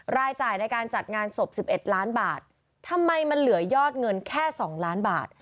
รายจ่ายในการจัดงานศพ๑๑ล้านบาททำไมมันเหลือยอดเงินแค่๒ล้านบาท